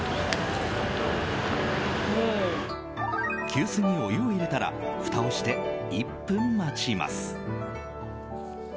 急須にお湯を入れたらふたをして１分待ちます。